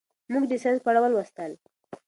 موږ د ساینس په اړه ولوستل.